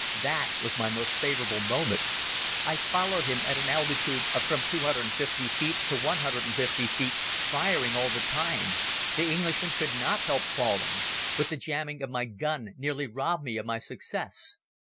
That was my most favorable moment. I followed him at an altitude of from two hundred and fifty feet to one hundred and fifty feet, firing all the time. The Englishman could not help falling. But the jamming of my gun nearly robbed me of my success.